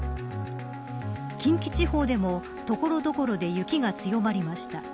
近畿地方でも所々で雪が強まりました。